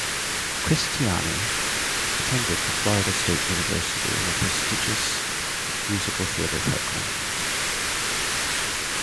Christiani attended the Florida State University in the prestigious Musical Theatre Program.